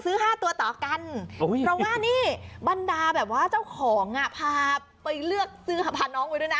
๕ตัวต่อกันเพราะว่านี่บรรดาแบบว่าเจ้าของอ่ะพาไปเลือกซื้อหาพาน้องไปด้วยนะ